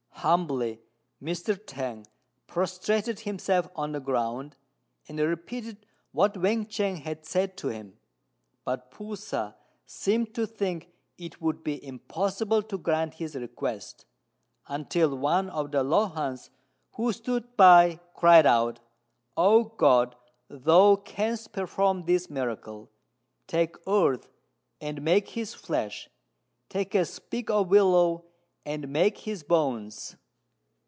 Humbly Mr. T'ang prostrated himself on the ground, and repeated what Wên ch'ang had said to him; but P'u sa seemed to think it would be impossible to grant his request, until one of the Lohans who stood by cried out, "O God, Thou canst perform this miracle: take earth and make his flesh; take a sprig of willow and make his bones."